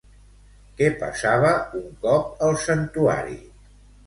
Què passava un cop al santuari?